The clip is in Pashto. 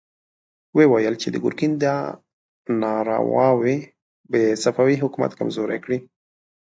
ويې ويل چې د ګرګين دا نارواوې به صفوي حکومت کمزوری کړي.